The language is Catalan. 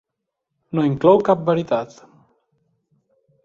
No inclou cap veritat.